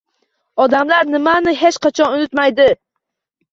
Odamlar nimani hech qachon unutmaydi?